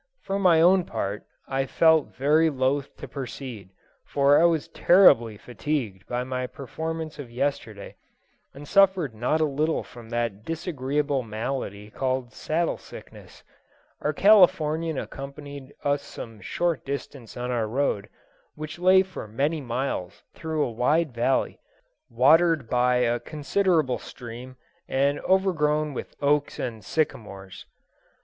For my own part, I felt very loth to proceed, for I was terribly fatigued by my performance of yesterday, and suffered not a little from that disagreeable malady called "saddle sickness." Our Californian accompanied us some short distance on our road, which lay for many miles through a wide valley, watered by a considerable stream, and overgrown with oaks and sycamores.